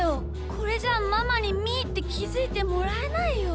これじゃママにみーってきづいてもらえないよ。